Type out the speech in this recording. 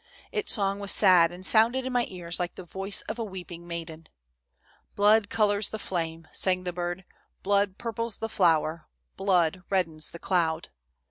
Its song was sad and sounded in my ears like the voice of a weeping maiden. "' Blood colors the flame,' sang the bird, ' blood pur ples the flower, blood reddens the cloud.